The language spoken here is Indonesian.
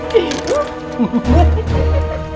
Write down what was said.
kita mulai sekarang